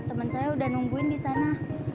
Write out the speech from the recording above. temen saya udah nungguin di sana